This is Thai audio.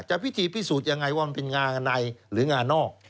พิธีพิสูจน์ยังไงว่ามันเป็นงาในหรืองานอก